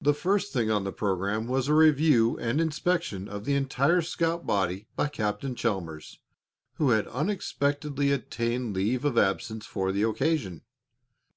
The first thing on the program was a review and inspection of the entire scout body by Captain Chalmers, who had unexpectedly obtained leave of absence for the occasion.